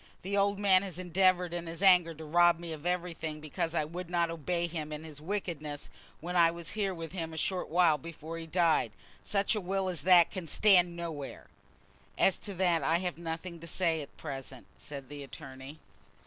"The old man has endeavoured in his anger to rob me of everything because I would not obey him in his wickedness when I was here with him a short while before he died. Such a will as that can stand nowhere." "As to that I have nothing to say at present," said the attorney.